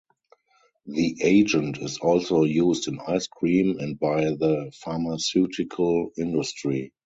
The agent is also used in ice cream and by the pharmaceutical industry.